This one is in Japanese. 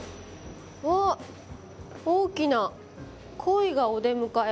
あっ大きなコイがお出迎え。